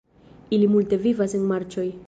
Ili multe vivas en marĉoj.